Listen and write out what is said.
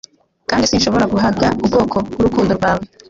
kandi sinshobora guhaga ubwoko bwurukundo rwawea